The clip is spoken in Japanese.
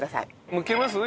むけますね？